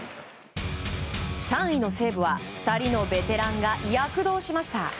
３位の西武は２人のベテランが躍動しました。